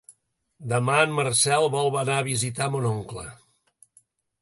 Demà en Marcel vol anar a visitar mon oncle.